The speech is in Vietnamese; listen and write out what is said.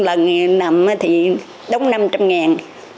lần nằm thì đóng năm trăm ngàn